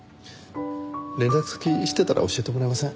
連絡先知ってたら教えてもらえません？